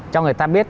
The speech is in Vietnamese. cho người ta biết